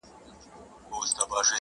• پر ما غټ دي د مُلا اوږده بوټونه ,